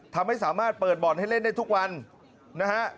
ทำให้สามารถเปิดบ่อนให้เล่นได้ทุกวันนะฮะ